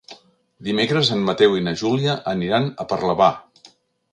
Dimecres en Mateu i na Júlia aniran a Parlavà.